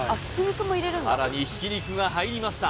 さらにひき肉が入りました